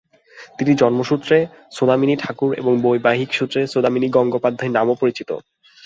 তিনি জন্মসূত্রে সৌদামিনী ঠাকুর এবং বৈবাহিকসূত্রে সৌদামিনী গঙ্গোপাধ্যায় নামেও পরিচিত।